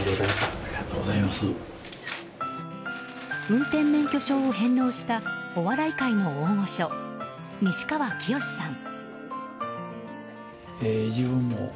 運転免許証を返納したお笑い界の大御所西川きよしさん。